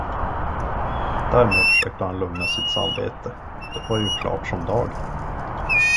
Därmed försökte han lugna sitt samvete, det var ju klart som dagen.